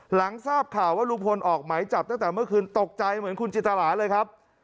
หลังทราบข่าวว่าลุงพลออกไหมจับตั้งแต่เมื่อคืนตกใจเหมือนคุณจิตราเลยครับ